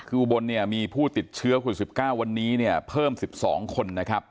คือบนมีผู้ติดเชื้อคน๑๙วันนี้เพิ่ม๑๒คนนะครับ